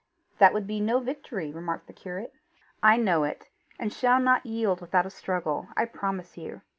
"That would be no victory," remarked the curate. "I know it, and shall not yield without a struggle, I promise you.